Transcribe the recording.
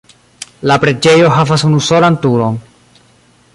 La preĝejo havas unusolan turon.